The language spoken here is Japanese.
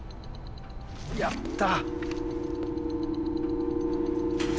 やった！